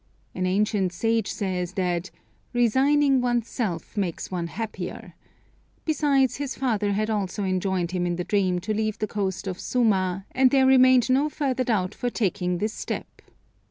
An ancient sage says, that "resigning one's self makes one happier," besides, his father had also enjoined him in the dream to leave the coast of Suma, and there remained no further doubt for taking this step.